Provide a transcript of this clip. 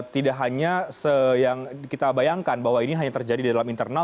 tidak hanya yang kita bayangkan bahwa ini hanya terjadi di dalam internal